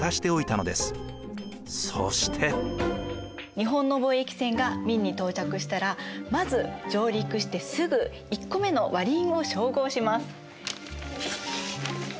日本の貿易船が明に到着したらまず上陸してすぐ１個目の割り印を照合します。